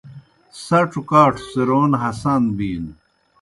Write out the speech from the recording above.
سڇو کاٹھوْ څِرَون ہسان بِینوْ۔